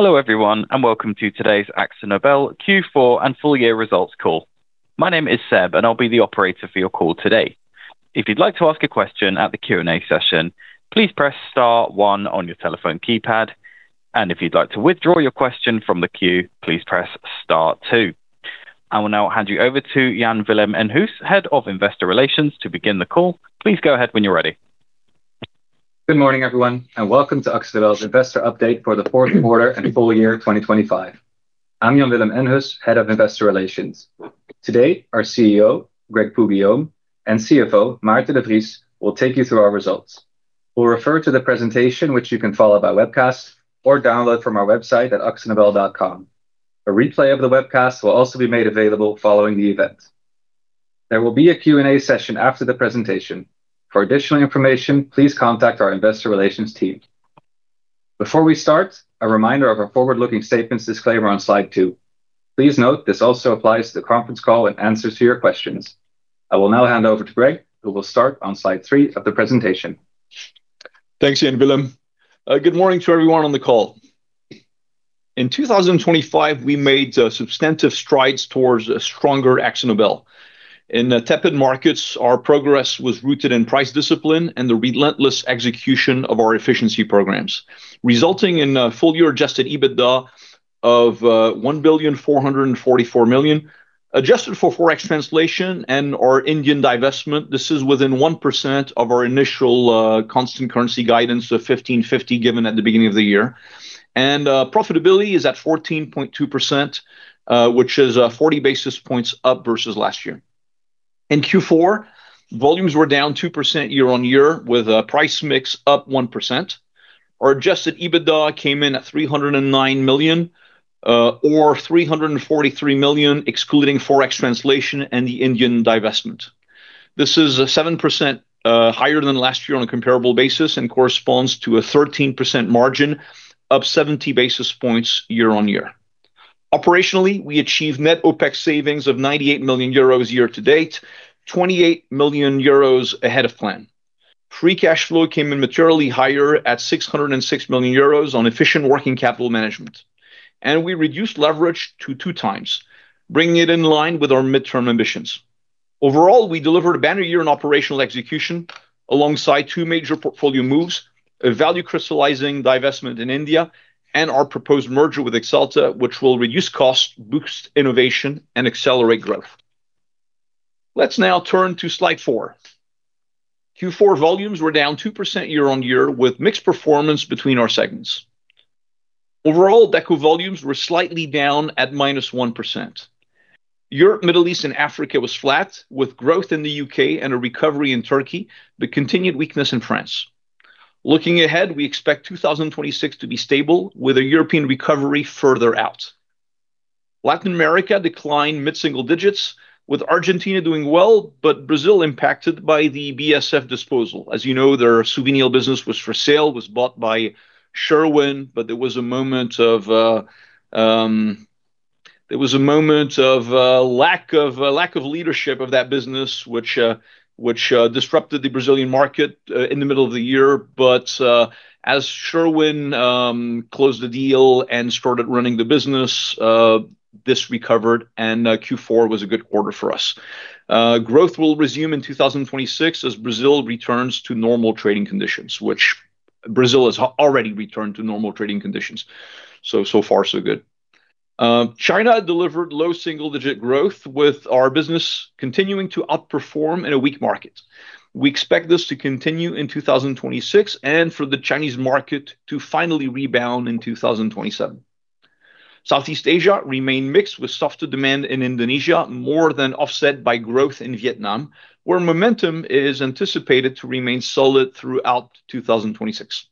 Hello, everyone, and welcome to today's AkzoNobel Q4 and full year results call. My name is Seb, and I'll be the operator for your call today. If you'd like to ask a question at the Q&A session, please press star one on your telephone keypad, and if you'd like to withdraw your question from the queue, please press star two. I will now hand you over to Jan-Willem Enhus, Head of Investor Relations, to begin the call. Please go ahead when you're ready. Good morning, everyone, and welcome to AkzoNobel's investor update for the fourth quarter and full year 2025. I'm Jan-Willem Enhus, Head of Investor Relations. Today, our CEO, Greg Poux-Guillaume, and CFO, Maarten de Vries, will take you through our results. We'll refer to the presentation, which you can follow by webcast or download from our website at akzonobel.com. A replay of the webcast will also be made available following the event. There will be a Q&A session after the presentation. For additional information, please contact our Investor Relations team. Before we start, a reminder of our forward-looking statements disclaimer on slide 2. Please note, this also applies to the conference call and answers to your questions. I will now hand over to Greg, who will start on slide 3 of the presentation. Thanks, Jan-Willem. Good morning to everyone on the call. In 2025, we made substantive strides towards a stronger AkzoNobel. In the tepid markets, our progress was rooted in price discipline and the relentless execution of our efficiency programs, resulting in a full-year adjusted EBITDA of 1,444 million. Adjusted for Forex translation and our Indian divestment, this is within 1% of our initial constant currency guidance of 1,550 given at the beginning of the year. Profitability is at 14.2%, which is 40 basis points up versus last year. In Q4, volumes were down 2% year-on-year, with price mix up 1%. Our adjusted EBITDA came in at 309 million, or 343 million, excluding Forex translation and the Indian divestment. This is 7% higher than last year on a comparable basis and corresponds to a 13% margin, up 70 basis points year-on-year. Operationally, we achieved net OpEx savings of 98 million euros year to date, 28 million euros ahead of plan. Free cash flow came in materially higher at 606 million euros on efficient working capital management, and we reduced leverage to 2x, bringing it in line with our mid-term ambitions. Overall, we delivered a banner year in operational execution alongside two major portfolio moves: a value-crystallizing divestment in India and our proposed merger with Axalta, which will reduce costs, boost innovation, and accelerate growth. Let's now turn to slide 4. Q4 volumes were down 2% year-on-year, with mixed performance between our segments. Overall, Deco volumes were slightly down at -1%. Europe, Middle East and Africa was flat, with growth in the U.K. and a recovery in Turkey, but continued weakness in France. Looking ahead, we expect 2026 to be stable, with a European recovery further out. Latin America declined mid-single digits, with Argentina doing well, but Brazil impacted by the BASF disposal. As you know, their Suvinil business was for sale, was bought by Sherwin, but there was a moment of lack of leadership of that business, which disrupted the Brazilian market in the middle of the year. But as Sherwin closed the deal and started running the business, this recovered, and Q4 was a good quarter for us. Growth will resume in 2026 as Brazil returns to normal trading conditions, which Brazil has already returned to normal trading conditions. So, so far, so good. China delivered low single-digit growth, with our business continuing to outperform in a weak market. We expect this to continue in 2026 and for the Chinese market to finally rebound in 2027. Southeast Asia remained mixed, with softer demand in Indonesia, more than offset by growth in Vietnam, where momentum is anticipated to remain solid throughout 2026.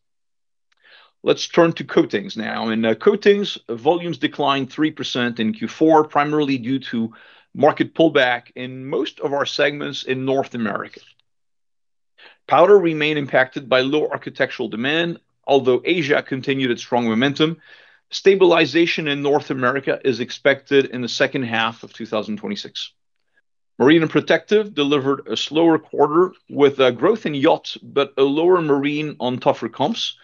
Let's turn to Coatings now. In Coatings, volumes declined 3% in Q4, primarily due to market pullback in most of our segments in North America. Powder remained impacted by lower architectural demand, although Asia continued its strong momentum. Stabilization in North America is expected in the second half of 2026. Marine and Protective delivered a slower quarter with a growth in Yacht, but a lower Marine on tougher comps.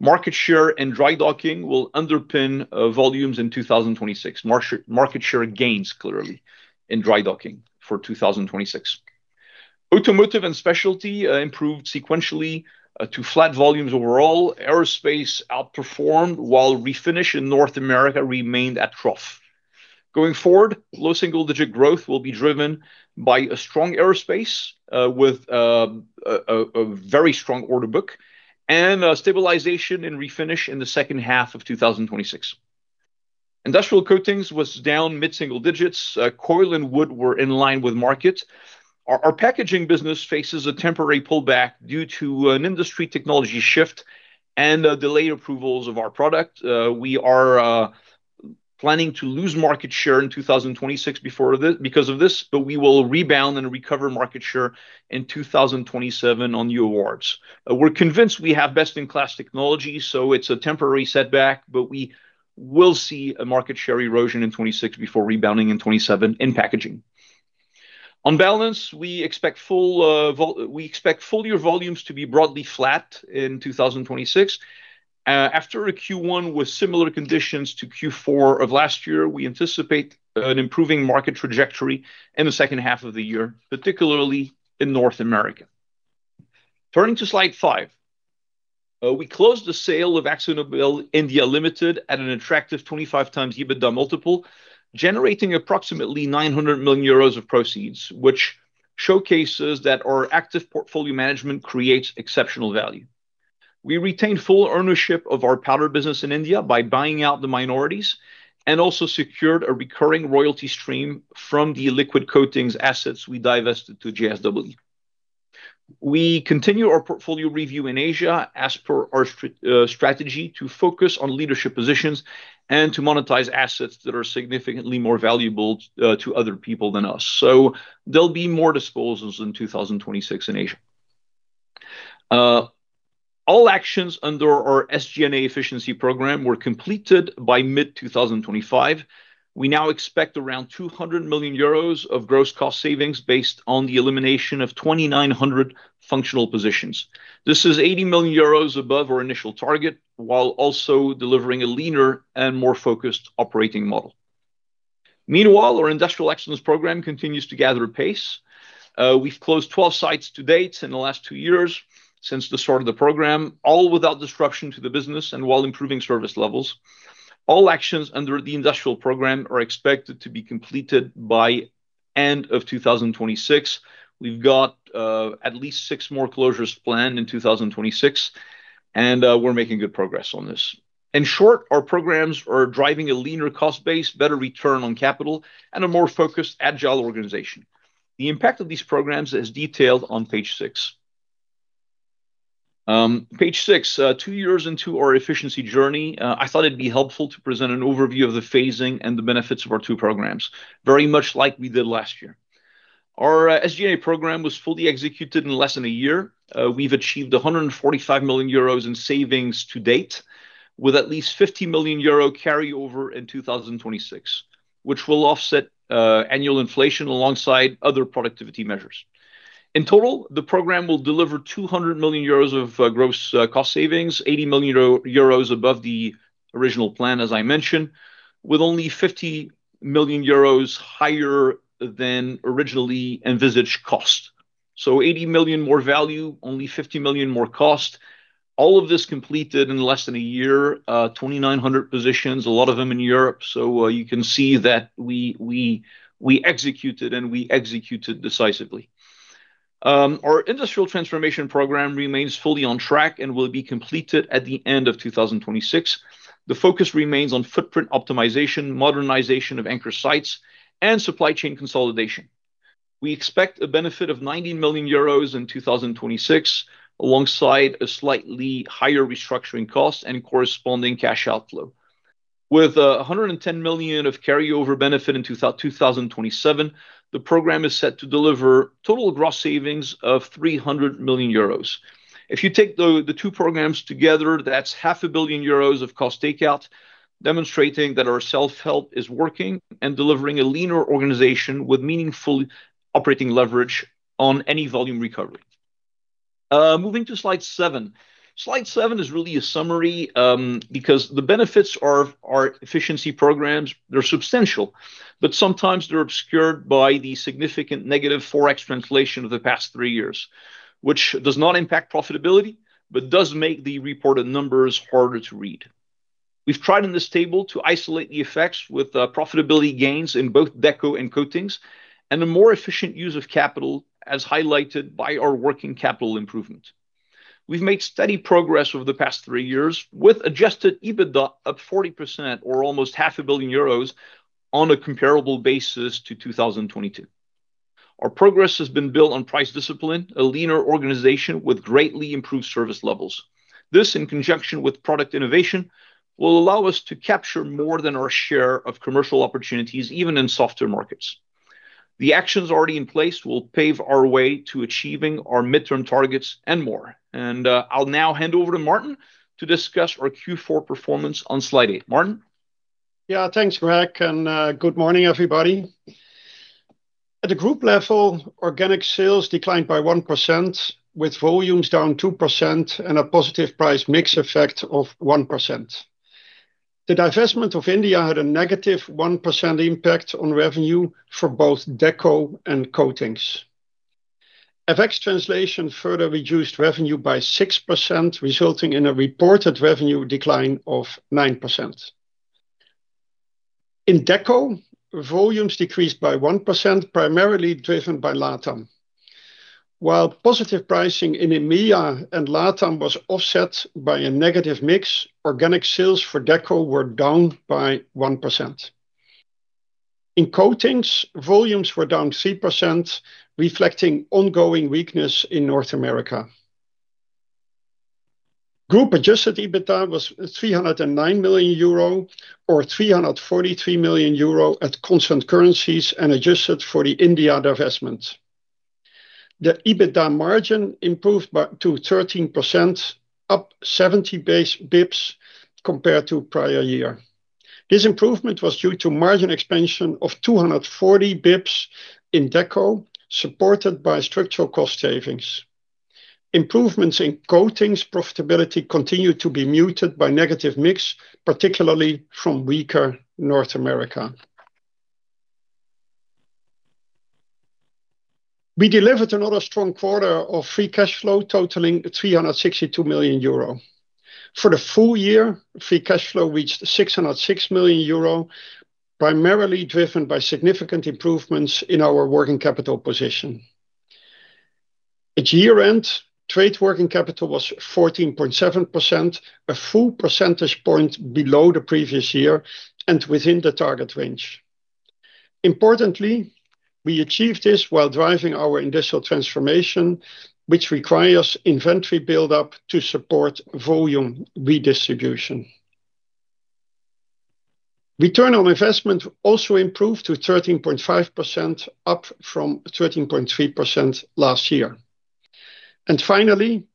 Market share and dry docking will underpin volumes in 2026. Market share gains, clearly, in dry docking for 2026. Automotive and Specialty improved sequentially to flat volumes overall. Aerospace outperformed, while Refinish in North America remained at trough. Going forward, low single-digit growth will be driven by a strong aerospace with a very strong order book, and stabilization in Refinish in the second half of 2026. Industrial Coatings was down mid-single digits. Coil and Wood were in line with market. Our Packaging business faces a temporary pullback due to an industry technology shift and delayed approvals of our product. We are planning to lose market share in 2026 before this because of this, but we will rebound and recover market share in 2027 on new awards. We're convinced we have best-in-class technology, so it's a temporary setback, but we will see a market share erosion in 2026 before rebounding in 2027 in Packaging. On balance, we expect full year volumes to be broadly flat in 2026. After a Q1 with similar conditions to Q4 of last year, we anticipate an improving market trajectory in the second half of the year, particularly in North America. Turning to slide 5. We closed the sale of AkzoNobel India Limited at an attractive 25x EBITDA multiple, generating approximately 900 million euros of proceeds, which showcases that our active portfolio management creates exceptional value. We retained full ownership of our powder business in India by buying out the minorities, and also secured a recurring royalty stream from the liquid coatings assets we divested to JSW. We continue our portfolio review in Asia as per our strategy to focus on leadership positions and to monetize assets that are significantly more valuable to other people than us. So there'll be more disposals in 2026 in Asia. All actions under our SG&A efficiency program were completed by mid-2025. We now expect around 200 million euros of gross cost savings based on the elimination of 2,900 functional positions. This is 80 million euros above our initial target, while also delivering a leaner and more focused operating model. Meanwhile, our Industrial Excellence program continues to gather pace. We've closed 12 sites to date in the last 2 years since the start of the program, all without disruption to the business and while improving service levels. All actions under the industrial program are expected to be completed by end of 2026. We've got at least 6 more closures planned in 2026, and we're making good progress on this. In short, our programs are driving a leaner cost base, better return on capital, and a more focused, agile organization. The impact of these programs is detailed on page 6. Page six, two years into our efficiency journey, I thought it'd be helpful to present an overview of the phasing and the benefits of our two programs, very much like we did last year. Our SG&A program was fully executed in less than a year. We've achieved 145 million euros in savings to date, with at least 50 million euro carryover in 2026, which will offset annual inflation alongside other productivity measures. In total, the program will deliver 200 million euros of gross cost savings, 80 million euros above the original plan, as I mentioned, with only 50 million euros higher than originally envisaged cost. So 80 million more value, only 50 million more cost. All of this completed in less than a year, 2,900 positions, a lot of them in Europe. So, you can see that we executed, and we executed decisively. Our industrial transformation program remains fully on track and will be completed at the end of 2026. The focus remains on footprint optimization, modernization of anchor sites, and supply chain consolidation. We expect a benefit of 90 million euros in 2026, alongside a slightly higher restructuring cost and corresponding cash outflow. With a hundred and ten million of carryover benefit in 2027, the program is set to deliver total gross savings of 300 million euros. If you take the two programs together, that's 500 million euros of cost takeout, demonstrating that our self-help is working and delivering a leaner organization with meaningful operating leverage on any volume recovery. Moving to slide seven. Slide seven is really a summary, because the benefits of our efficiency programs, they're substantial, but sometimes they're obscured by the significant negative Forex translation of the past three years, which does not impact profitability, but does make the reported numbers harder to read. We've tried in this table to isolate the effects with profitability gains in both Deco and Coatings, and a more efficient use of capital, as highlighted by our working capital improvement. We've made steady progress over the past three years with Adjusted EBITDA up 40% or almost 500 million euros on a comparable basis to 2022. Our progress has been built on price discipline, a leaner organization with greatly improved service levels. This, in conjunction with product innovation, will allow us to capture more than our share of commercial opportunities, even in softer markets. The actions already in place will pave our way to achieving our midterm targets and more. I'll now hand over to Maarten to discuss our Q4 performance on slide eight. Maarten? Yeah, thanks, Greg, and good morning, everybody. At the group level, organic sales declined by 1%, with volumes down 2% and a positive price mix effect of 1%. The divestment of India had a -1% impact on revenue for both Deco and Coatings. FX translation further reduced revenue by 6%, resulting in a reported revenue decline of 9%. In Deco, volumes decreased by 1%, primarily driven by LATAM. While positive pricing in EMEA and LATAM was offset by a negative mix, organic sales for Deco were down by 1%. In Coatings, volumes were down 3%, reflecting ongoing weakness in North America. Group Adjusted EBITDA was 309 million euro, or 343 million euro at constant currencies and adjusted for the India divestment. The EBITDA margin improved back to 13%, up 70 basis points compared to prior year. This improvement was due to margin expansion of 240 basis points in Deco, supported by structural cost savings. Improvements in coatings profitability continued to be muted by negative mix, particularly from weaker North America. We delivered another strong quarter of free cash flow, totaling 362 million euro. For the full year, free cash flow reached 606 million euro, primarily driven by significant improvements in our working capital position. At year-end, trade working capital was 14.7%, a full percentage point below the previous year, and within the target range. Importantly, we achieved this while driving our industrial transformation, which requires inventory buildup to support volume redistribution. Return on investment also improved to 13.5%, up from 13.3% last year. And finally,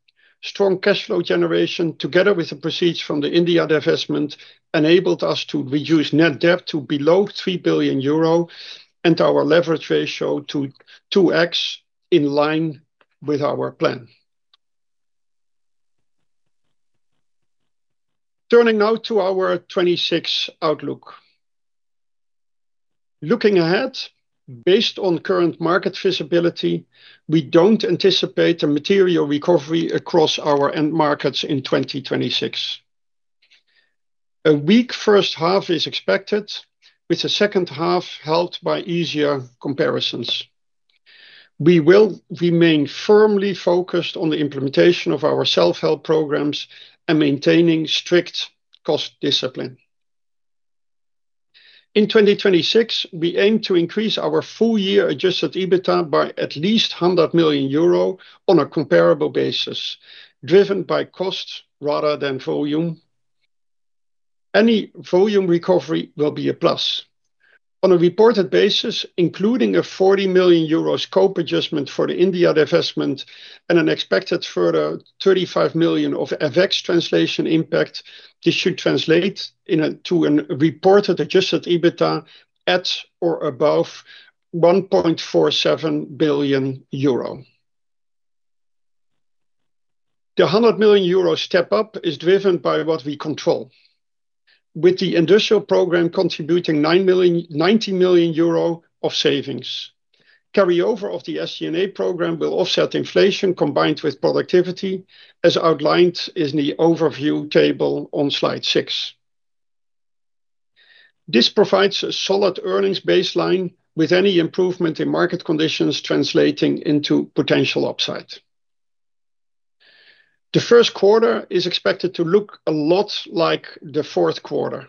strong cash flow generation, together with the proceeds from the India divestment, enabled us to reduce net debt to below 3 billion euro and our leverage ratio to 2x, in line with our plan. Turning now to our 2026 outlook. Looking ahead, based on current market visibility, we don't anticipate a material recovery across our end markets in 2026. A weak first half is expected, with the second half helped by easier comparisons. We will remain firmly focused on the implementation of our self-help programs and maintaining strict cost discipline. In 2026, we aim to increase our full year adjusted EBITDA by at least 100 million euro on a comparable basis, driven by cost rather than volume. Any volume recovery will be a plus. On a reported basis, including a 40 million euro scope adjustment for the India divestment and an expected further 35 million of FX translation impact, this should translate into a reported adjusted EBITDA at or above 1.47 billion euro. The 100 million euro step-up is driven by what we control, with the industrial program contributing 90 million euro of savings. Carryover of the SG&A program will offset inflation combined with productivity, as outlined in the overview table on slide 6. This provides a solid earnings baseline, with any improvement in market conditions translating into potential upside. The first quarter is expected to look a lot like the fourth quarter.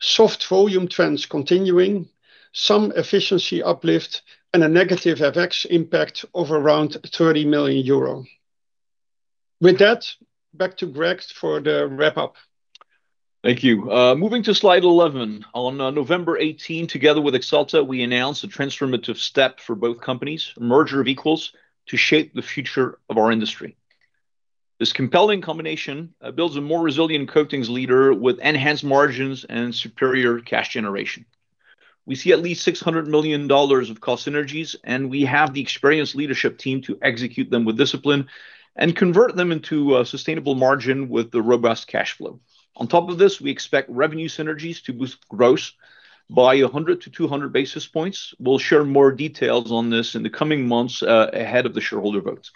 Soft volume trends continuing, some efficiency uplift, and a negative FX impact of around 30 million euro. With that, back to Greg for the wrap up. Thank you. Moving to slide 11. On November 18, together with Axalta, we announced a transformative step for both companies, a merger of equals, to shape the future of our industry. This compelling combination builds a more resilient coatings leader with enhanced margins and superior cash generation. We see at least $600 million of cost synergies, and we have the experienced leadership team to execute them with discipline and convert them into sustainable margin with the robust cash flow. On top of this, we expect revenue synergies to boost growth by 100-200 basis points. We'll share more details on this in the coming months ahead of the shareholder vote.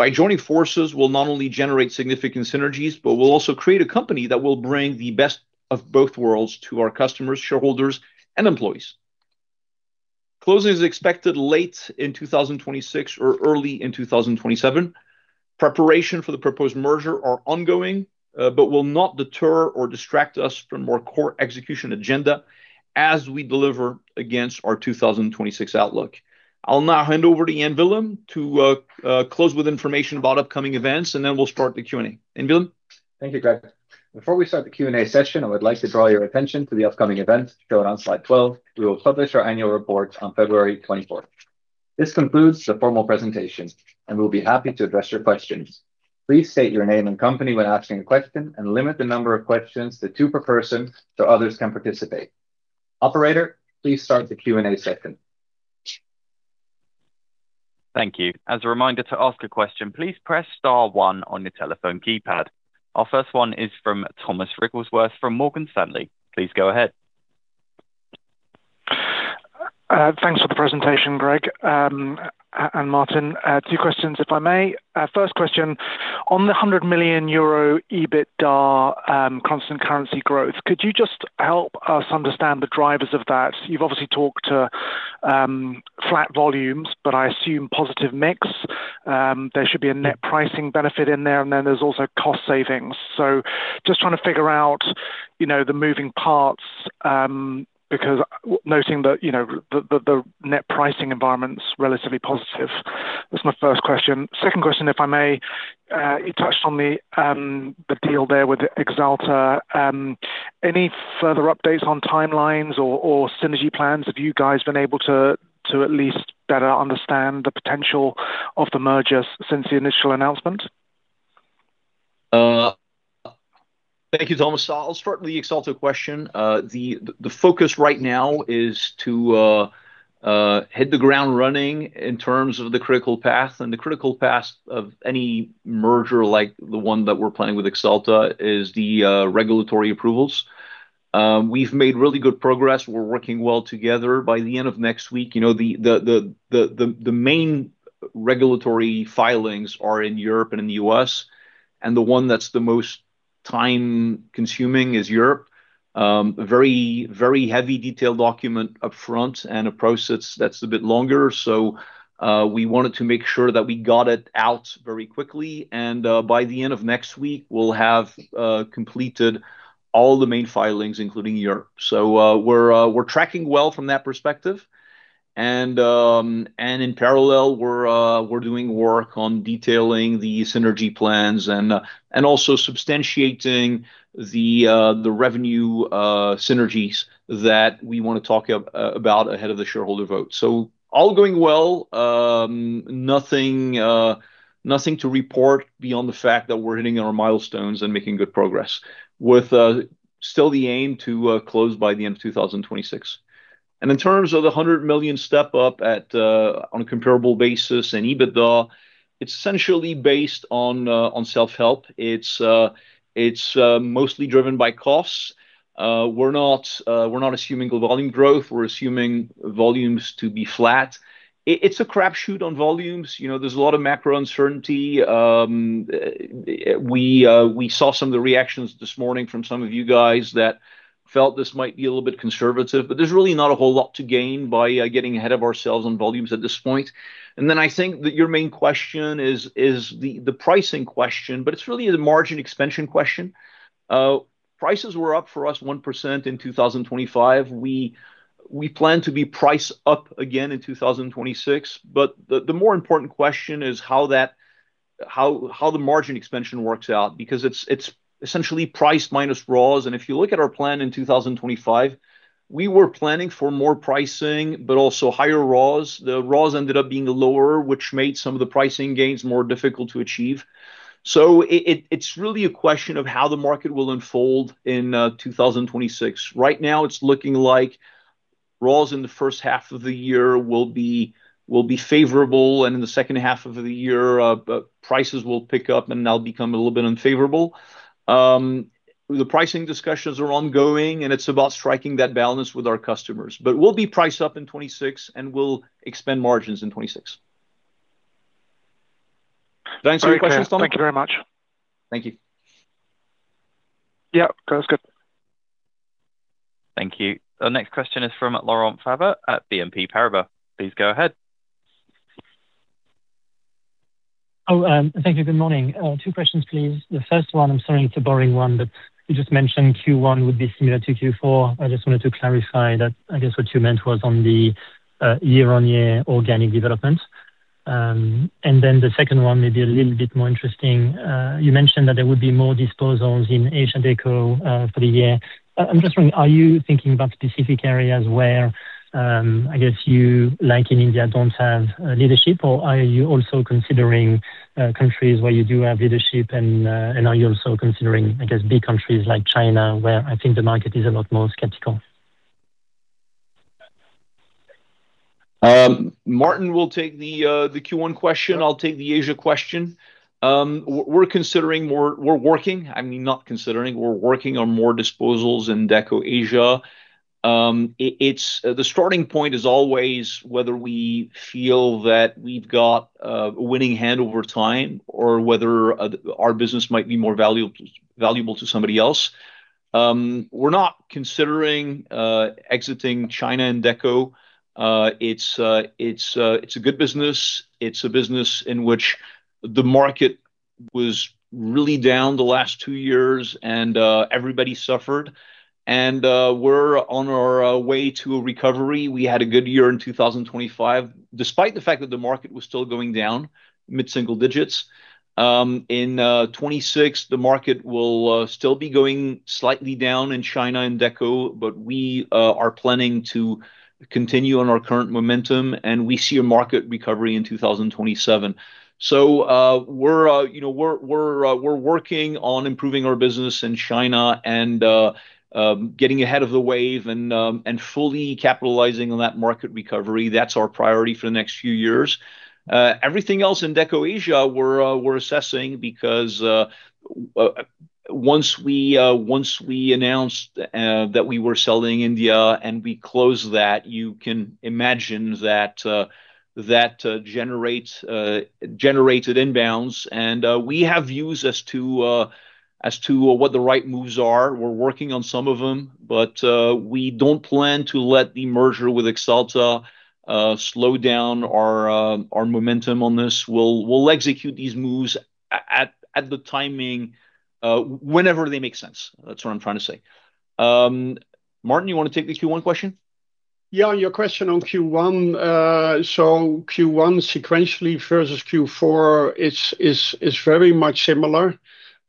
By joining forces, we'll not only generate significant synergies, but we'll also create a company that will bring the best of both worlds to our customers, shareholders, and employees. Closing is expected late in 2026 or early in 2027. Preparation for the proposed merger are ongoing, but will not deter or distract us from our core execution agenda as we deliver against our 2026 outlook. I'll now hand over to Jan-Willem Enhus to close with information about upcoming events, and then we'll start the Q&A. Jan-Willem Enhus? Thank you, Greg. Before we start the Q&A session, I would like to draw your attention to the upcoming events shown on slide 12. We will publish our annual report on February 24. This concludes the formal presentation, and we'll be happy to address your questions. Please state your name and company when asking a question, and limit the number of questions to two per person so others can participate. Operator, please start the Q&A session. Thank you. As a reminder, to ask a question, please press star one on your telephone keypad. Our first one is from Thomas Wrigglesworth from Morgan Stanley. Please go ahead. Thanks for the presentation, Greg, and Maarten. Two questions, if I may. First question, on the 100 million euro EBITDA constant currency growth, could you just help us understand the drivers of that? You've obviously talked to flat volumes, but I assume positive mix. There should be a net pricing benefit in there, and then there's also cost savings. So just trying to figure out, you know, the moving parts, because noting that, you know, the net pricing environment's relatively positive. That's my first question. Second question, if I may, you touched on the deal there with Axalta. Any further updates on timelines or synergy plans? Have you guys been able to at least better understand the potential of the merger since the initial announcement? Thank you, Thomas. I'll start with the Axalta question. The focus right now is to hit the ground running in terms of the critical path, and the critical path of any merger, like the one that we're planning with Axalta, is the regulatory approvals. We've made really good progress. We're working well together. By the end of next week, you know, the main regulatory filings are in Europe and in the U.S., and the one that's the most time-consuming is Europe. A very, very heavy detailed document upfront and a process that's a bit longer. So, we wanted to make sure that we got it out very quickly, and by the end of next week, we'll have completed all the main filings, including Europe. So, we're tracking well from that perspective, and in parallel, we're doing work on detailing the synergy plans and also substantiating the revenue synergies that we wanna talk about ahead of the shareholder vote. So all going well, nothing to report beyond the fact that we're hitting our milestones and making good progress, with still the aim to close by the end of 2026. And in terms of the 100 million step-up on a comparable basis in EBITDA, it's essentially based on self-help. It's mostly driven by costs. We're not assuming the volume growth, we're assuming volumes to be flat. It's a crap shoot on volumes, you know, there's a lot of macro uncertainty. We saw some of the reactions this morning from some of you guys that felt this might be a little bit conservative, but there's really not a whole lot to gain by getting ahead of ourselves on volumes at this point. And then I think that your main question is the pricing question, but it's really the margin expansion question. Prices were up for us 1% in 2025. We plan to be priced up again in 2026, but the more important question is how the margin expansion works out, because it's essentially price minus raws. And if you look at our plan in 2025, we were planning for more pricing, but also higher raws. The raws ended up being lower, which made some of the pricing gains more difficult to achieve. So it's really a question of how the market will unfold in 2026. Right now, it's looking like raws in the first half of the year will be favorable, and in the second half of the year, prices will pick up, and they'll become a little bit unfavorable. The pricing discussions are ongoing, and it's about striking that balance with our customers. But we'll be priced up in 2026, and we'll expand margins in 2026. Does that answer your question, Thomas? Thank you very much. Thank you. Yeah, that's good. Thank you. Our next question is from Laurent Favre at BNP Paribas. Please go ahead. Oh, thank you. Good morning, two questions, please. The first one, I'm sorry, it's a boring one, but you just mentioned Q1 would be similar to Q4. I just wanted to clarify that. I guess what you meant was on the, year-on-year organic development. And then the second one may be a little bit more interesting. You mentioned that there would be more disposals in Asia Deco, for the year. I'm just wondering, are you thinking about specific areas where, I guess you, like in India, don't have, leadership? Or are you also considering, countries where you do have leadership and, and are you also considering, I guess, big countries like China, where I think the market is a lot more skeptical? Maarten will take the Q1 question. I'll take the Asia question. We're considering more... We're working, I mean, not considering, we're working on more disposals in Deco Asia. It's the starting point is always whether we feel that we've got a winning hand over time or whether our business might be more valuable to somebody else. We're not considering exiting China and Deco. It's a good business. It's a business in which the market was really down the last two years, and everybody suffered, and we're on our way to a recovery. We had a good year in 2025, despite the fact that the market was still going down mid-single digits. In 2026, the market will still be going slightly down in China and Deco, but we are planning to continue on our current momentum, and we see a market recovery in 2027. So, we're, you know, we're working on improving our business in China and getting ahead of the wave and fully capitalizing on that market recovery. That's our priority for the next few years. Everything else in Deco Asia, we're assessing because once we announced that we were selling India and we closed that, you can imagine that that generated inbounds. And we have views as to what the right moves are. We're working on some of them, but we don't plan to let the merger with Axalta slow down our momentum on this. We'll execute these moves at the timing whenever they make sense. That's what I'm trying to say. Maarten, you want to take the Q1 question? Yeah, your question on Q1. So Q1 sequentially versus Q4 is very much similar.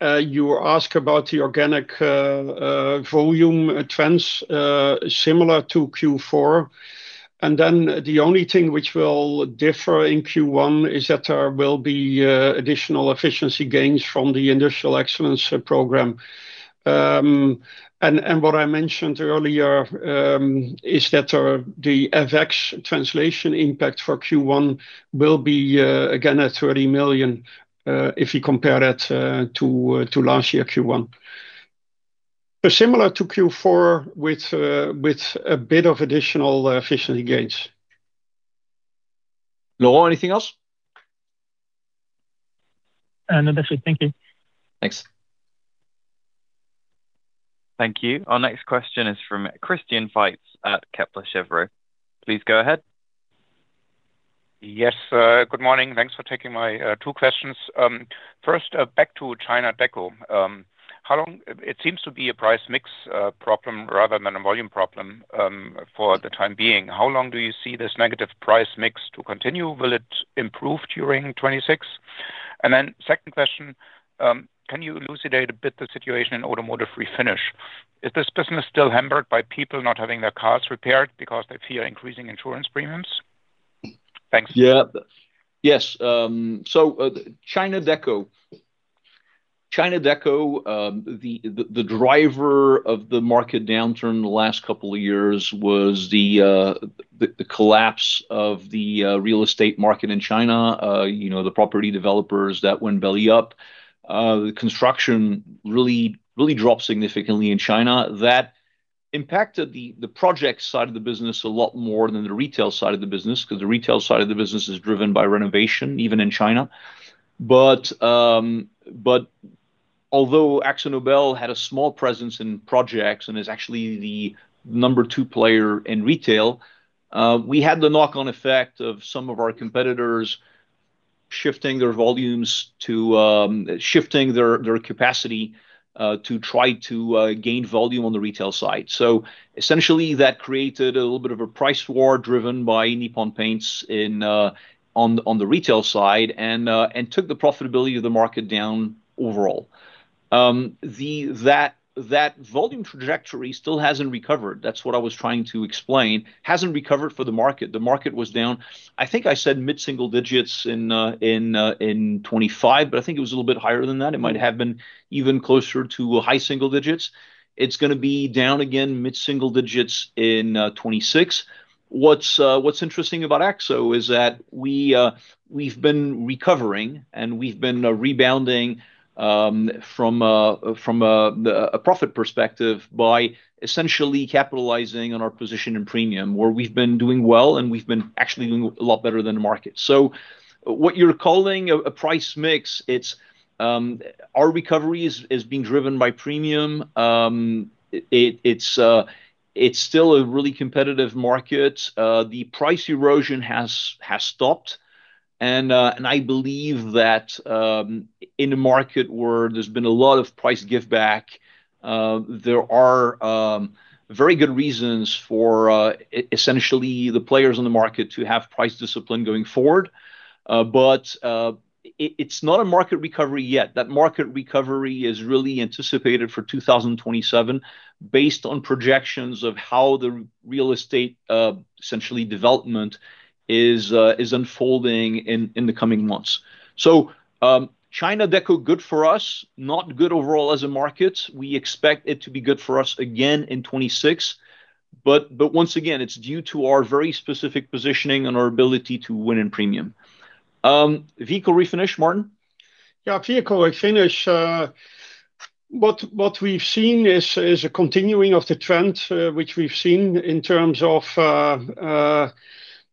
You ask about the organic volume trends, similar to Q4. And then the only thing which will differ in Q1 is that there will be additional efficiency gains from the Industrial Excellence program. And what I mentioned earlier is that the FX translation impact for Q1 will be again at 30 million if you compare that to last year, Q1. So similar to Q4 with a bit of additional efficiency gains. Noel, anything else? No, that's it. Thank you. Thanks. Thank you. Our next question is from Christian Faitz at Kepler Cheuvreux. Please go ahead. Yes, good morning. Thanks for taking my 2 questions. First, back to China Deco. How long do you see this negative price mix to continue? Will it improve during 2026? And then second question, can you elucidate a bit the situation in Automotive Refinish? Is this business still hampered by people not having their cars repaired because they fear increasing insurance premiums? Thanks. Yeah. Yes, so, China Deco. China Deco, the driver of the market downturn the last couple of years was the collapse of the real estate market in China. You know, the property developers that went belly up. The construction really, really dropped significantly in China. That impacted the project side of the business a lot more than the retail side of the business, 'cause the retail side of the business is driven by renovation, even in China. But, although AkzoNobel had a small presence in projects and is actually the number two player in retail, we had the knock-on effect of some of our competitors shifting their volumes to, shifting their capacity to try to gain volume on the retail side. So essentially, that created a little bit of a price war driven by Nippon Paint in on the retail side, and and took the profitability of the market down overall. The That, that volume trajectory still hasn't recovered. That's what I was trying to explain. Hasn't recovered for the market. The market was down, I think I said mid-single digits in in in 2025, but I think it was a little bit higher than that. It might have been even closer to high single digits. It's gonna be down again, mid-single digits in 2026. What's interesting about Akzo is that we've been recovering, and we've been rebounding from a profit perspective by essentially capitalizing on our position in premium, where we've been doing well, and we've been actually doing a lot better than the market. So what you're calling a price mix, it's our recovery is being driven by premium. It's still a really competitive market. The price erosion has stopped, and I believe that in a market where there's been a lot of price giveback, there are very good reasons for essentially the players in the market to have price discipline going forward. But it's not a market recovery yet. That market recovery is really anticipated for 2027 based on projections of how the real estate, essentially development is, is unfolding in, in the coming months. So, China Deco, good for us, not good overall as a market. We expect it to be good for us again in 2026. But, once again, it's due to our very specific positioning and our ability to win in premium. Vehicle Refinish, Maarten? Yeah, Vehicle Refinish, what we've seen is a continuing of the trend, which we've seen in terms of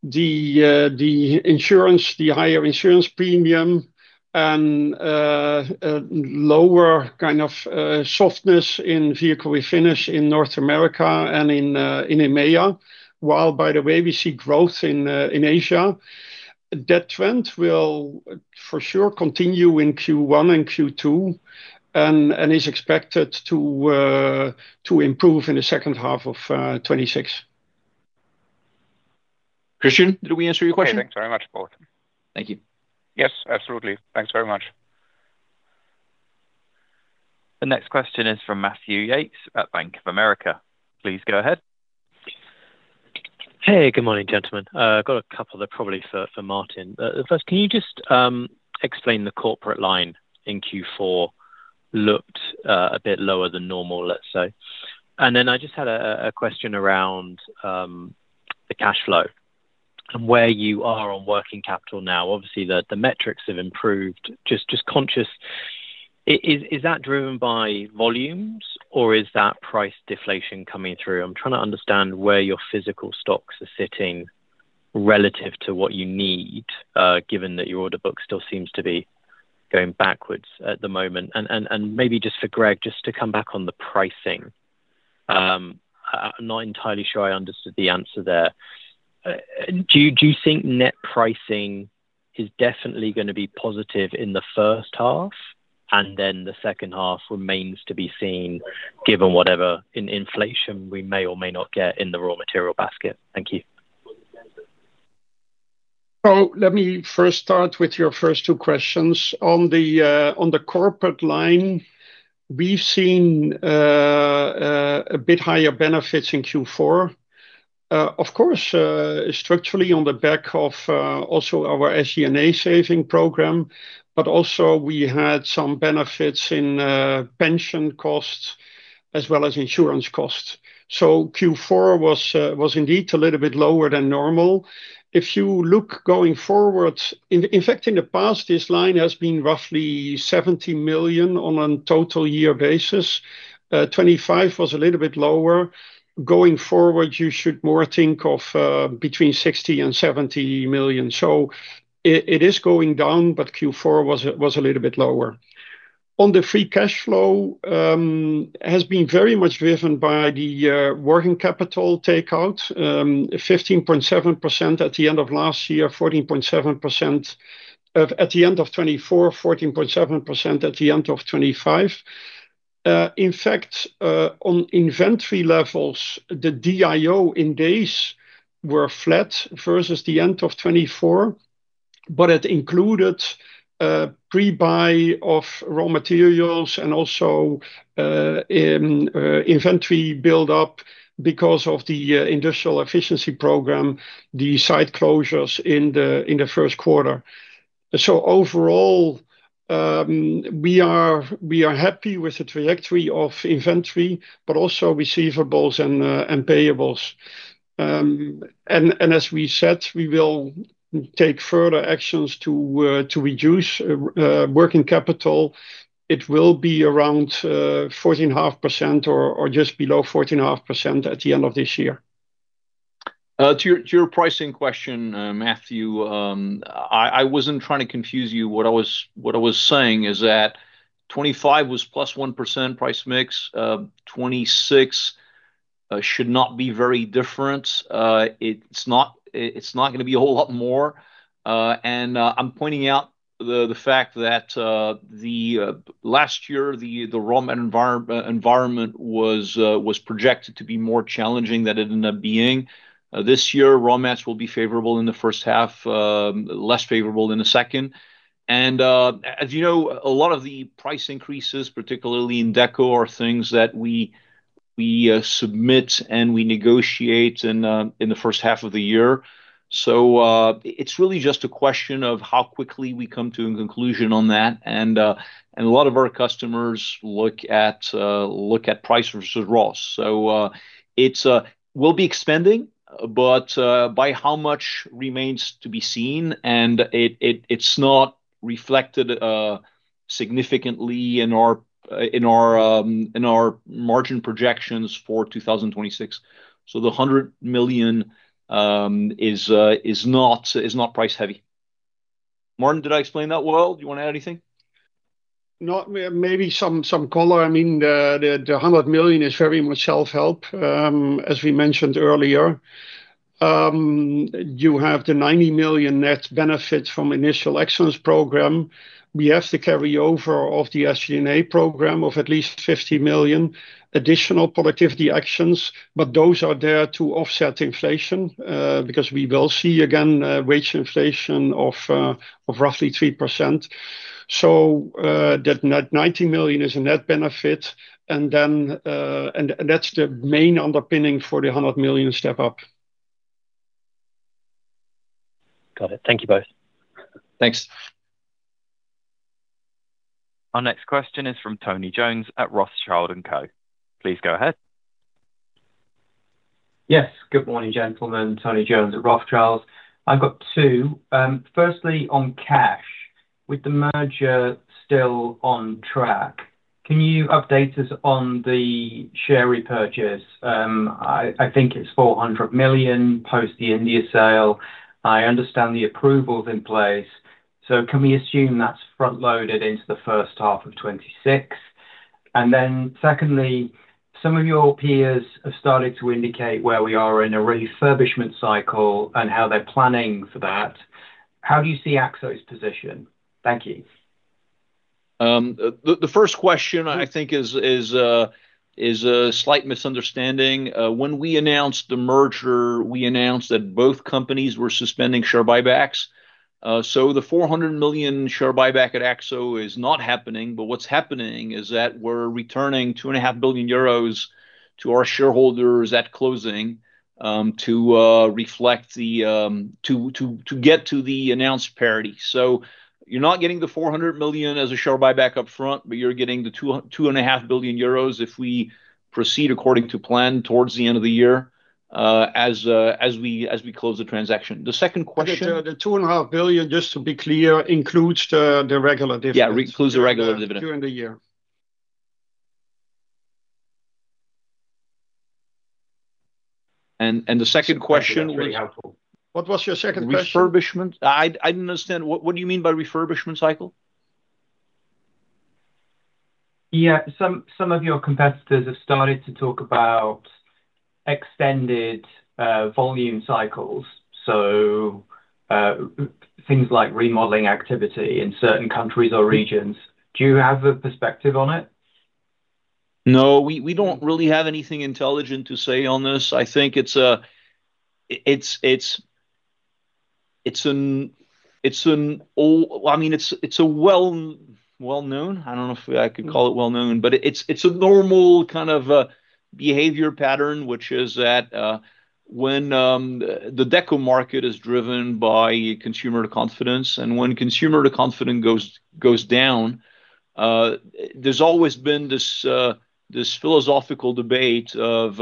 the insurance, the higher insurance premium and lower kind of softness in Vehicle Refinish in North America and in EMEA. While by the way, we see growth in Asia. That trend will for sure continue in Q1 and Q2, and is expected to improve in the second half of 2026. Christian, did we answer your question? Okay. Thanks very much, Maarten. Thank you. Yes, absolutely. Thanks very much. The next question is from Matthew Yates at Bank of America. Please go ahead. Hey, good morning, gentlemen. I've got a couple they're probably for Maarten. First, can you just explain the corporate line in Q4 looked a bit lower than normal, let's say. And then I just had a question around the cash flow and where you are on working capital now. Obviously, the metrics have improved. Just conscious, is that driven by volumes, or is that price deflation coming through? I'm trying to understand where your physical stocks are sitting relative to what you need, given that your order book still seems to be going backwards at the moment. And maybe just for Greg, just to come back on the pricing. I'm not entirely sure I understood the answer there-... Do you think net pricing is definitely going to be positive in the first half, and then the second half remains to be seen, given whatever in inflation we may or may not get in the raw material basket? Thank you. So let me first start with your first two questions. On the corporate line, we've seen a bit higher benefits in Q4. Of course, structurally, on the back of also our SG&A saving program, but also we had some benefits in pension costs as well as insurance costs. So Q4 was indeed a little bit lower than normal. If you look going forward, in fact, in the past, this line has been roughly 70 million on a total year basis. 25 was a little bit lower. Going forward, you should more think of between 60 million and 70 million. So it is going down, but Q4 was a little bit lower. On the free cash flow has been very much driven by the working capital takeout. 15.7% at the end of last year, 14.7% at the end of 2024, 14.7% at the end of 2025. In fact, on inventory levels, the DIO in days were flat versus the end of 2024, but it included pre-buy of raw materials and also inventory build-up because of the Industrial Excellence program, the site closures in the first quarter. So overall, we are happy with the trajectory of inventory, but also receivables and payables. As we said, we will take further actions to reduce working capital. It will be around 14.5% or just below 14.5% at the end of this year. To your pricing question, Matthew, I wasn't trying to confuse you. What I was saying is that 2025 was +1% price mix. 2026 should not be very different. It's not going to be a whole lot more. And I'm pointing out the fact that last year, the raw environment was projected to be more challenging than it ended up being. This year, raw mats will be favorable in the first half, less favorable in the second. And as you know, a lot of the price increases, particularly in deco, are things that we submit and we negotiate in the first half of the year. So, it's really just a question of how quickly we come to a conclusion on that. A lot of our customers look at price versus raw. It's... We'll be expanding, but by how much remains to be seen, and it's not reflected significantly in our margin projections for 2026. So the 100 million is not price heavy. Maarten, did I explain that well? Do you want to add anything? Maybe some color. I mean, the hundred million is very much self-help. As we mentioned earlier, you have the 90 million net benefit from Industrial Excellence program. We have the carryover of the SG&A program of at least 50 million additional productivity actions, but those are there to offset inflation, because we will see, again, wage inflation of roughly 3%. So, that net 90 million is a net benefit, and then, and that's the main underpinning for the 100 million step up. Got it. Thank you both. Thanks. Our next question is from Tony Jones at Rothschild & Co. Please go ahead. Yes. Good morning, gentlemen. Tony Jones at Rothschild. I've got two. Firstly, on cash, with the merger still on track, can you update us on the share repurchase? I think it's 400 million post the India sale. I understand the approval's in place, so can we assume that's front-loaded into the first half of 2026? And then, secondly, some of your peers have started to indicate where we are in a refurbishment cycle and how they're planning for that. How do you see Akzo's position? Thank you. The first question, I think, is a slight misunderstanding. When we announced the merger, we announced that both companies were suspending share buybacks. So the 400 million share buyback at Akzo is not happening, but what's happening is that we're returning 2.5 billion euros to our shareholders at closing to get to the announced parity. So you're not getting the 400 million as a share buyback upfront, but you're getting the 2.5 billion euros if we proceed according to plan towards the end of the year as we close the transaction. The second question- The 2.5 billion, just to be clear, includes the regular dividend- Yeah, includes the regular dividend. During the year. And the second question? That's really helpful. What was your second question? Refurbishment. I didn't understand. What do you mean by refurbishment cycle? Yeah, some of your competitors have started to talk about extended volume cycles, so things like remodeling activity in certain countries or regions. Do you have a perspective on it? No, we don't really have anything intelligent to say on this. I think it's a-- it's an old-- I mean, it's a well-known. I don't know if I could call it well-known, but it's a normal kind of behavior pattern, which is that, when the deco market is driven by consumer confidence, and when consumer confidence goes down, there's always been this philosophical debate of,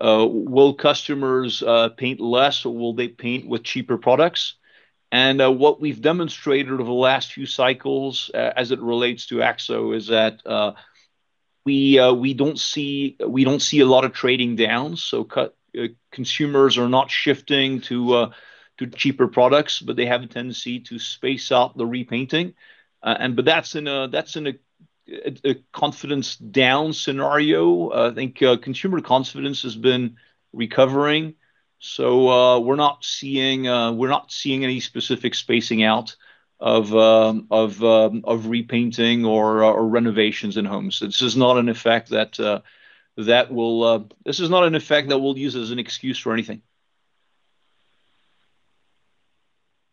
will customers paint less, or will they paint with cheaper products? And, what we've demonstrated over the last few cycles as it relates to Akzo is that, we don't see a lot of trading down, so consumers are not shifting to cheaper products, but they have a tendency to space out the repainting. But that's in a confidence down scenario. I think consumer confidence has been recovering, so we're not seeing any specific spacing out of repainting or renovations in homes. This is not an effect that will... This is not an effect that we'll use as an excuse for anything.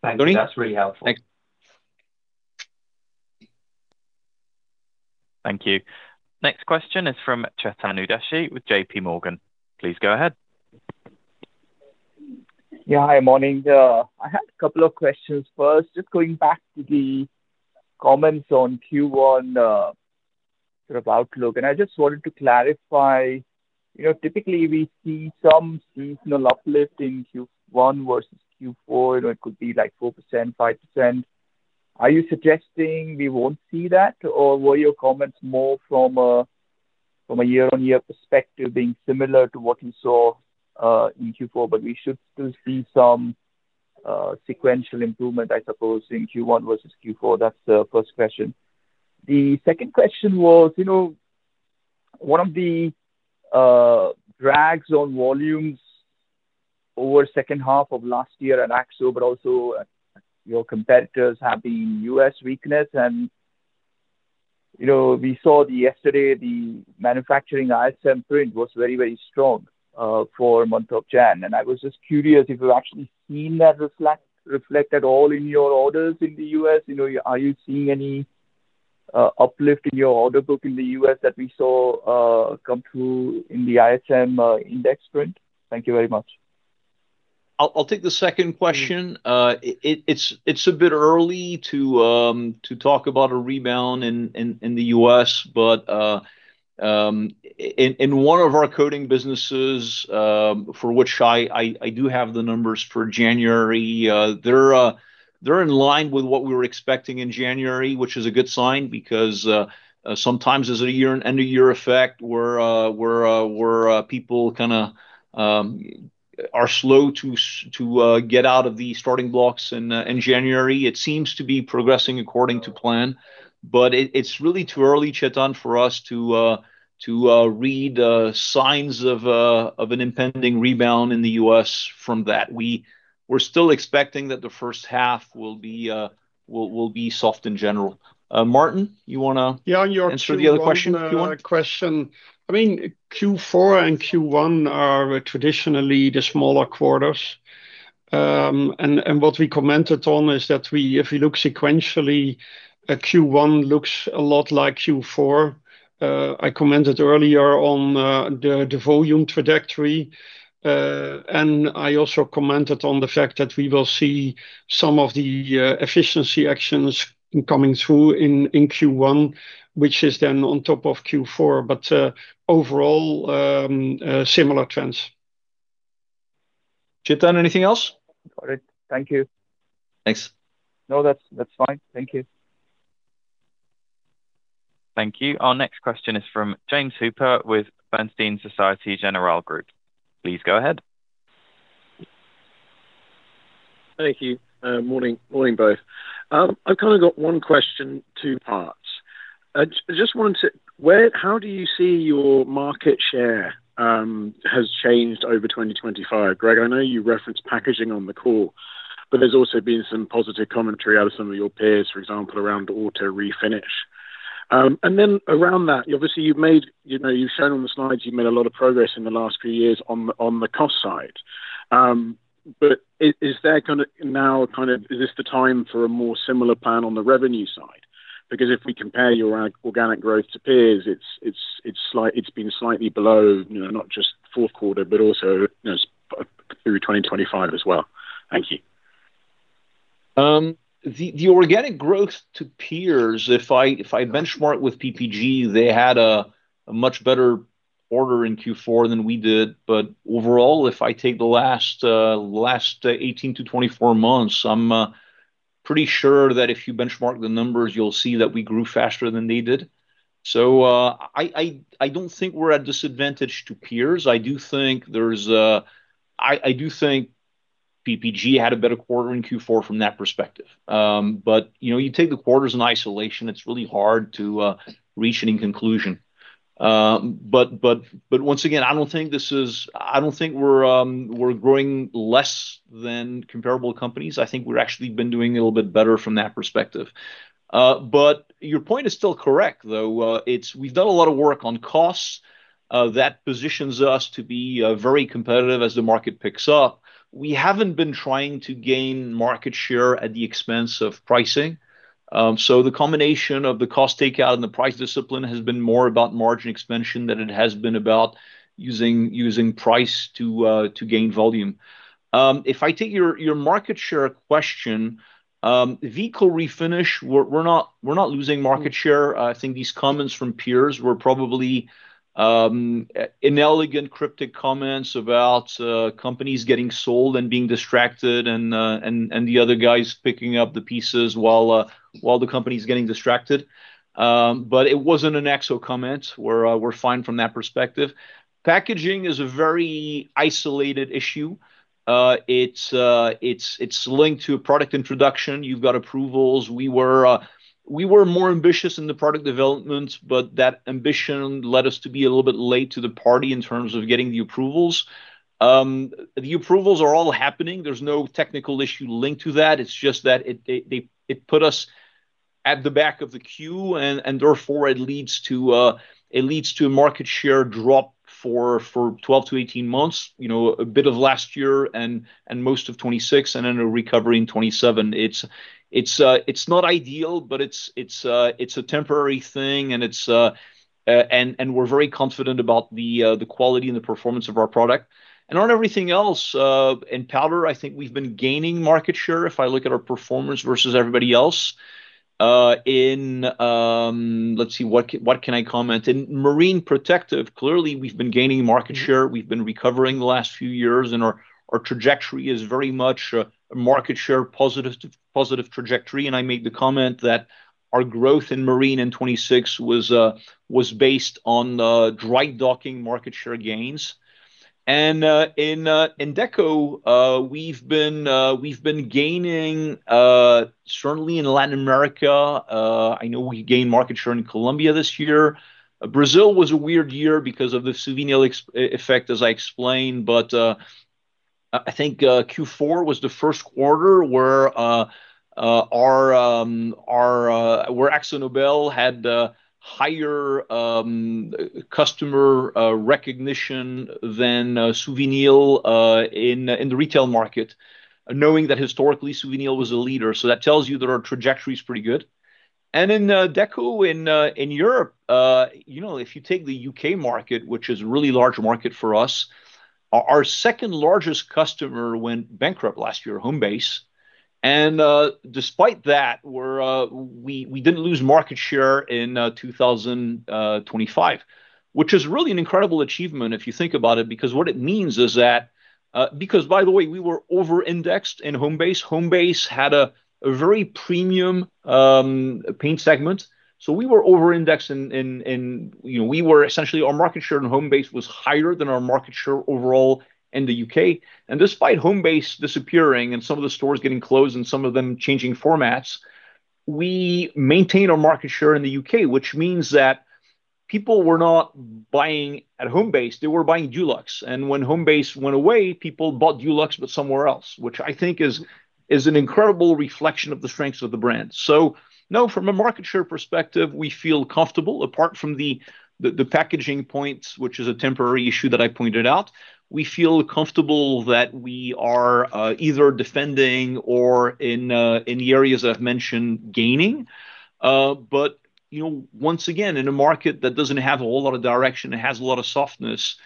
Thank you. Tony? That's really helpful. Thanks. Thank you. Next question is from Chetan Udeshi with JPMorgan. Please go ahead. Yeah, hi, morning. I had a couple of questions. First, just going back to the comments on Q1, sort of outlook, and I just wanted to clarify, you know, typically we see some seasonal uplift in Q1 versus Q4, you know, it could be like 4%, 5%. Are you suggesting we won't see that? Or were your comments more from a, from a year-on-year perspective, being similar to what we saw, in Q4, but we should still see some, sequential improvement, I suppose, in Q1 versus Q4? That's the first question. The second question was, you know, one of the, drags on volumes over second half of last year at Akzo, but also your competitors, have been U.S. weakness. And, you know, we saw the-- yesterday, the manufacturing ISM print was very, very strong, for month of January. I was just curious if you've actually seen that reflect at all in your orders in the U.S. You know, are you seeing any uplift in your order book in the U.S. that we saw come through in the ISM index print? Thank you very much. I'll take the second question. It's a bit early to talk about a rebound in the U.S., but in one of our coatings businesses, for which I do have the numbers for January, they're in line with what we were expecting in January, which is a good sign, because sometimes there's a year-end effect, where people kind of are slow to get out of the starting blocks in January. It seems to be progressing according to plan, but it's really too early, Chetan, for us to read signs of an impending rebound in the U.S. from that. We're still expecting that the first half will be soft in general. Maarten, you wanna- Yeah, on your- Answer the other question, if you want? Q1 question. I mean, Q4 and Q1 are traditionally the smaller quarters. And what we commented on is that we—if you look sequentially, Q1 looks a lot like Q4. I commented earlier on the volume trajectory, and I also commented on the fact that we will see some of the efficiency actions coming through in Q1, which is then on top of Q4, but overall, similar trends. Chetan, anything else? Got it. Thank you. Thanks. No, that's, that's fine. Thank you. Thank you. Our next question is from James Hooper with Bernstein Société Générale Group. Please go ahead. Thank you. Morning, morning both. I've kind of got one question, two parts. Just wanted to... How do you see your market share has changed over 2025? Greg, I know you referenced packaging on the call, but there's also been some positive commentary out of some of your peers, for example, around auto refinish. And then around that, obviously you've made, you know, you've shown on the slides you've made a lot of progress in the last few years on the cost side. But is there kind of now, kind of, is this the time for a more similar plan on the revenue side? Because if we compare your organic growth to peers, it's been slightly below, you know, not just fourth quarter, but also, you know, through 2025 as well. Thank you. The organic growth to peers, if I benchmark with PPG, they had a much better quarter in Q4 than we did. But overall, if I take the last 18-24 months, I'm pretty sure that if you benchmark the numbers, you'll see that we grew faster than they did. So, I don't think we're at disadvantage to peers. I do think PPG had a better quarter in Q4 from that perspective. But, you know, you take the quarters in isolation, it's really hard to reach any conclusion. But once again, I don't think this is. I don't think we're growing less than comparable companies. I think we're actually been doing a little bit better from that perspective. But your point is still correct, though. We've done a lot of work on costs that positions us to be very competitive as the market picks up. We haven't been trying to gain market share at the expense of pricing. So the combination of the cost takeout and the price discipline has been more about margin expansion than it has been about using, using price to to gain volume. If I take your, your market share question, vehicle refinish, we're, we're not, we're not losing market share. I think these comments from peers were probably inelegant, cryptic comments about companies getting sold and being distracted, and, and, and the other guys picking up the pieces while while the company's getting distracted. But it wasn't an Akzo comment. We're we're fine from that perspective. Packaging is a very isolated issue. It's linked to a product introduction. You've got approvals. We were more ambitious in the product development, but that ambition led us to be a little bit late to the party in terms of getting the approvals. The approvals are all happening. There's no technical issue linked to that. It's just that it put us at the back of the queue, and therefore it leads to a market share drop for 12-18 months, you know, a bit of last year and most of 2026, and then a recovery in 2027. It's not ideal, but it's a temporary thing, and it's... and we're very confident about the quality and the performance of our product. On everything else, in powder, I think we've been gaining market share, if I look at our performance versus everybody else. Let's see, what can I comment? In Marine protective, clearly, we've been gaining market share. We've been recovering the last few years, and our trajectory is very much a market share positive trajectory, and I made the comment that our growth in Marine in 2026 was based on dry docking market share gains. And in deco, we've been gaining certainly in Latin America. I know we gained market share in Colombia this year. Brazil was a weird year because of the Suvinil effect, as I explained, but I think Q4 was the first quarter where our our. Where AkzoNobel had higher customer recognition than Suvinil in the retail market, knowing that historically, Suvinil was a leader, so that tells you that our trajectory is pretty good. And in deco in Europe, you know, if you take the U.K. market, which is a really large market for us, our second largest customer went bankrupt last year, Homebase, and despite that, we didn't lose market share in 2025. Which is really an incredible achievement, if you think about it, because what it means is that, because by the way, we were over-indexed in Homebase. Homebase had a very premium paint segment, so we were over-indexed in. You know, we were essentially, our market share in Homebase was higher than our market share overall in the U.K. Despite Homebase disappearing, and some of the stores getting closed, and some of them changing formats, we maintained our market share in the U.K., which means that people were not buying at Homebase. They were buying Dulux, and when Homebase went away, people bought Dulux, but somewhere else, which I think is an incredible reflection of the strengths of the brand. So no, from a market share perspective, we feel comfortable, apart from the packaging points, which is a temporary issue that I pointed out. We feel comfortable that we are either defending or in the areas I've mentioned, gaining. But, you know, once again, in a market that doesn't have a whole lot of direction, it has a lot of softness,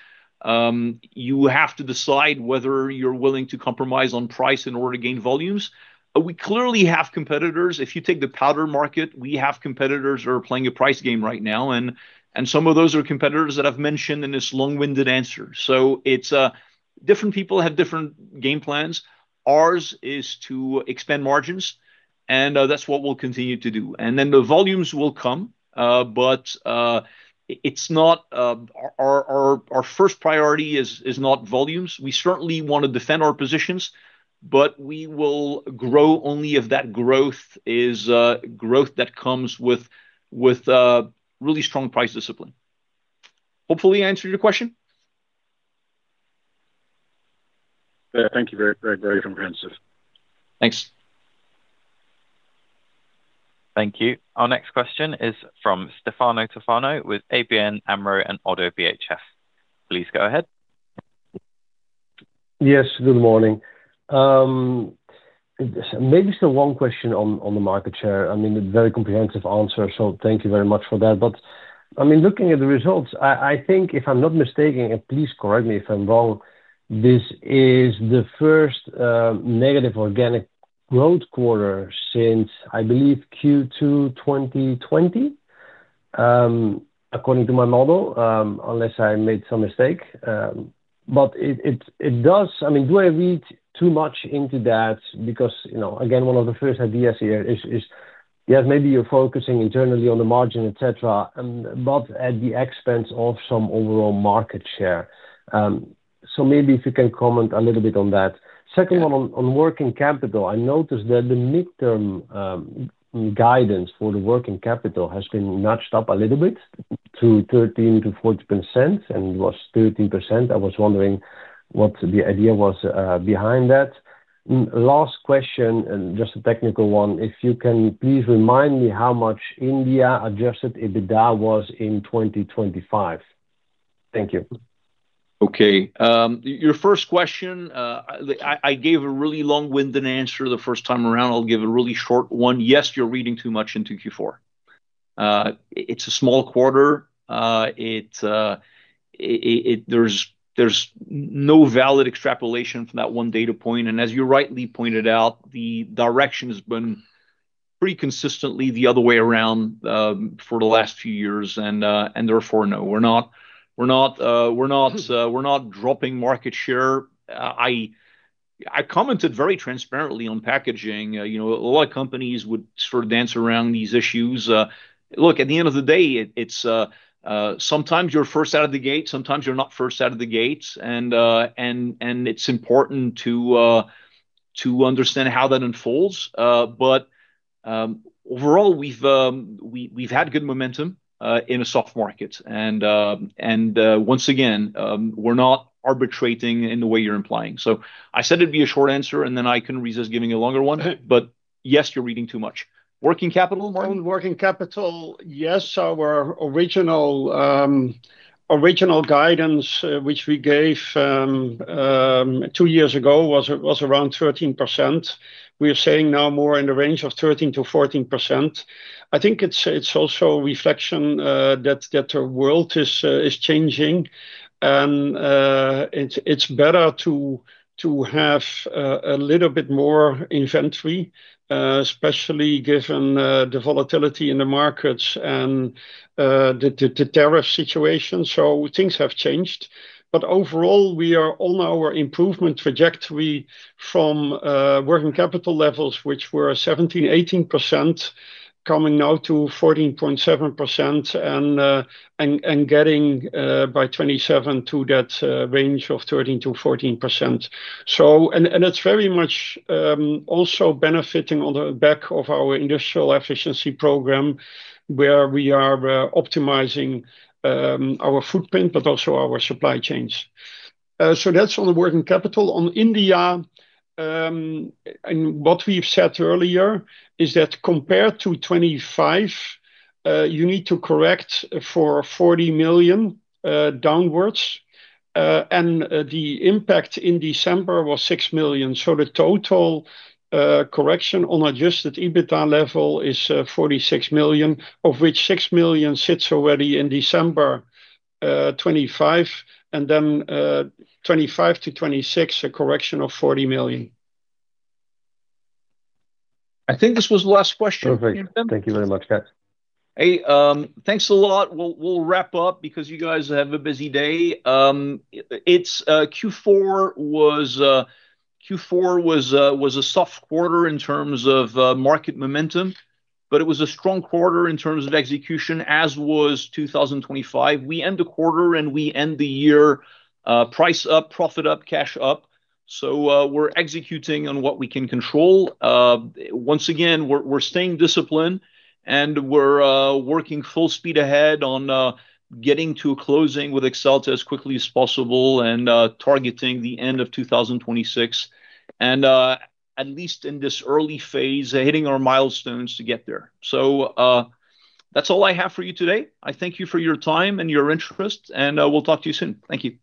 you have to decide whether you're willing to compromise on price in order to gain volumes. But we clearly have competitors. If you take the powder market, we have competitors who are playing a price game right now, and, and some of those are competitors that I've mentioned in this long-winded answer. So it's, different people have different game plans. Ours is to expand margins, and, that's what we'll continue to do. And then the volumes will come, but, it's not... Our, our, our first priority is, is not volumes. We certainly want to defend our positions, but we will grow only if that growth is, growth that comes with, with, really strong price discipline. Hopefully, I answered your question? Yeah, thank you. Very, very, very comprehensive. Thanks. Thank you. Our next question is from Stefano Tofano with ABN AMRO and Oddo BHF. Please go ahead. Yes, good morning. Maybe just one question on the market share. I mean, a very comprehensive answer, so thank you very much for that. But, I mean, looking at the results, I think if I'm not mistaken, and please correct me if I'm wrong, this is the first negative organic growth quarter since, I believe, Q2 2020, according to my model, unless I made some mistake. But it does—I mean, do I read too much into that? Because, you know, again, one of the first ideas here is, is- Yes, maybe you're focusing internally on the margin, et cetera, but at the expense of some overall market share. So maybe if you can comment a little bit on that. Second one, on, on working capital, I noticed that the mid-term guidance for the working capital has been nudged up a little bit to 13%-14%, and it was 13%. I was wondering what the idea was behind that. Last question, and just a technical one, if you can please remind me how much India Adjusted EBITDA was in 2025. Thank you. Okay. Your first question, I gave a really long-winded answer the first time around. I'll give a really short one. Yes, you're reading too much into Q4. It's a small quarter. It. There's no valid extrapolation from that one data point, and as you rightly pointed out, the direction has been pretty consistently the other way around, for the last few years. Therefore, no, we're not dropping market share. I commented very transparently on packaging. You know, a lot of companies would sort of dance around these issues. Look, at the end of the day, it's sometimes you're first out of the gate, sometimes you're not first out of the gates, and it's important to understand how that unfolds. But overall, we've had good momentum in a soft market, and once again, we're not arbitrating in the way you're implying. So I said it'd be a short answer, and then I couldn't resist giving a longer one. But yes, you're reading too much. Working capital? On working capital, yes, our original guidance, which we gave two years ago, was around 13%. We are saying now more in the range of 13%-14%. I think it's also a reflection that the world is changing. And it's better to have a little bit more inventory, especially given the volatility in the markets and the tariff situation. So things have changed. But overall, we are on our improvement trajectory from working capital levels, which were 17%, 18%, coming now to 14.7%, and getting by 2027 to that range of 13%-14%. So... And it's very much also benefiting on the back of our Industrial Excellence program, where we are optimizing our footprint, but also our supply chains. So that's on the working capital. On India, and what we've said earlier is that compared to 2025, you need to correct for 40 million downwards, and the impact in December was 6 million. So the total correction on Adjusted EBITDA level is 46 million, of which 6 million sits already in December 2025, and then 2025 to 2026, a correction of 40 million. I think this was the last question. Okay. Thank you very much, guys. Hey, thanks a lot. We'll wrap up because you guys have a busy day. It's Q4 was a soft quarter in terms of market momentum, but it was a strong quarter in terms of execution, as was 2025. We end the quarter and we end the year, price up, profit up, cash up, so we're executing on what we can control. Once again, we're staying disciplined, and we're working full speed ahead on getting to closing with Axalta as quickly as possible and targeting the end of 2026, and at least in this early phase, hitting our milestones to get there. So, that's all I have for you today. I thank you for your time and your interest, and we'll talk to you soon. Thank you.